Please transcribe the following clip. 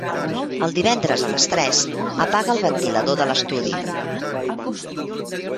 Els divendres a les tres apaga el ventilador de l'estudi.